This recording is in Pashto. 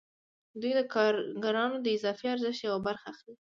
دوی د کارګرانو د اضافي ارزښت یوه برخه اخلي